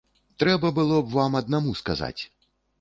Трэба было б вам аднаму сказаць.